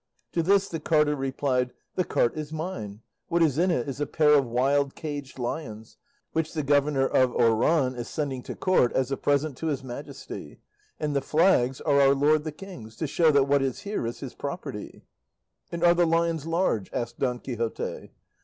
To this the carter replied, "The cart is mine; what is in it is a pair of wild caged lions, which the governor of Oran is sending to court as a present to his Majesty; and the flags are our lord the King's, to show that what is here is his property." "And are the lions large?" asked Don Quixote.